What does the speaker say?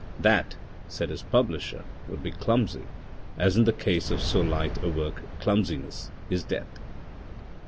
" That," said his publisher, " would be clumsy and in the case of so light a work clumsiness is death."